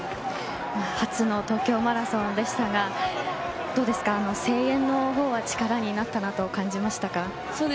初の東京マラソンでしたが声援は力になったと感じましたか。